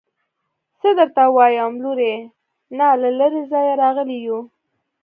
څه درته ووايم لورې نه له لرې ځايه راغلي يو.